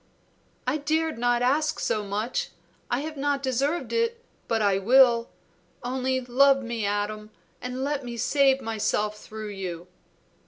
"I dared not ask so much! I have not deserved it, but I will. Only love me, Adam, and let me save myself through you."